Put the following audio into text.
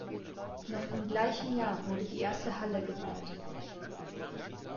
Noch im gleichen Jahr wurde die erste Halle gebaut.